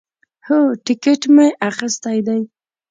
هو، ټیکټ می اخیستی دی